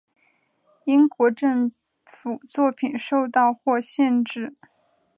英国政府作品受到或限制。